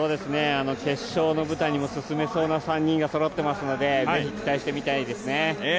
決勝の舞台にも進めそうな３人がそろっていますのでぜひ期待して見たいですね。